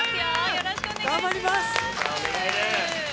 よろしくお願いします。